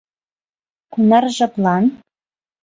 Кунар жаплан?